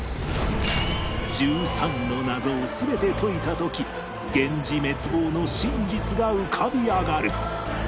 １３の謎を全て解いた時源氏滅亡の真実が浮かび上がる